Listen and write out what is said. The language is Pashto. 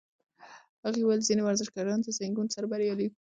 هغې وویل ځینې ورزشکاران د زېږون سره بریالي وي.